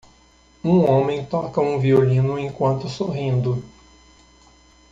Um homem toca um violino enquanto sorrindo.